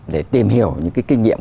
để tìm hiểu những cái kinh nghiệm